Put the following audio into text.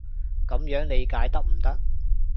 噉樣理解得唔得？